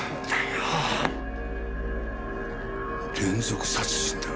連続殺人だ。